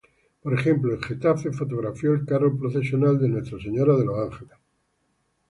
Por ejemplo, en Getafe fotografió el carro procesional de Nuestra Señora de los Ángeles.